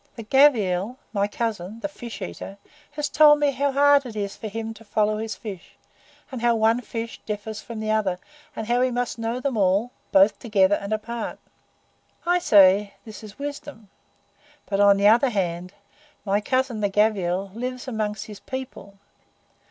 The Gavial, my cousin, the fish eater, has told me how hard it is for him to follow his fish, and how one fish differs from the other, and how he must know them all, both together and apart. I say that is wisdom; but, on the other hand, my cousin, the Gavial, lives among his people.